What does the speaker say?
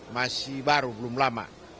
masih baru belum lama